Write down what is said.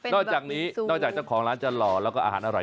อกจากนี้นอกจากเจ้าของร้านจะหล่อแล้วก็อาหารอร่อย